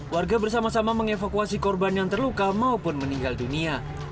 warga bersama sama mengevakuasi korban yang terluka maupun meninggal dunia